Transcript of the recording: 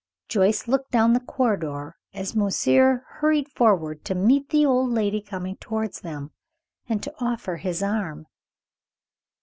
Joyce looked down the corridor as monsieur hurried forward to meet the old lady coming towards them, and to offer his arm.